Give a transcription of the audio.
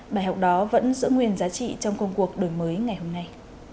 bài học đó vẫn giữ nguyên giá trị trong công cuộc đổi mới ngày hôm nay